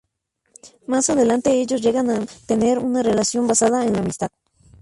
Más adelante ellos llegan a tener una relación basada en la amistad.